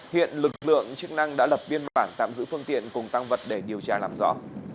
hiện lực lượng chức năng đã lập biên bản tạm giữ phương tiện cùng tăng vật để điều tra làm rõ